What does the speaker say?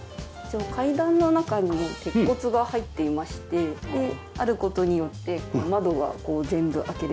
階段の中にも鉄骨が入っていましてある事によって窓が全部開けられます。